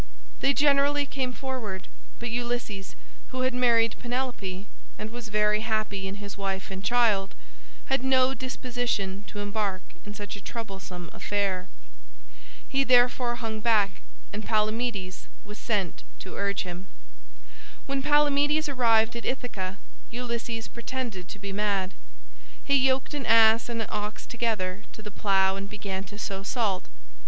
They generally came forward, but Ulysses, who had married Penelope, and was very happy in his wife and child, had no disposition to embark in such a troublesome affair. He therefore hung back and Palamedes was sent to urge him. When Palamedes arrived at Ithaca Ulysses pretended to be mad. He yoked an ass and an ox together to the plough and began to sow salt.